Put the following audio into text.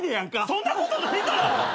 そんなことないから。